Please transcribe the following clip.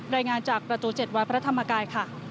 รายงานจากประตู๗วัดพระธรรมกายค่ะ